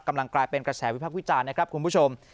กำลังกลายเป็นกระแสวิพักษ์วิจารณ์นะครับคุณผู้ชม